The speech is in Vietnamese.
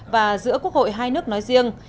và giữa quốc hội hai nước nói riêng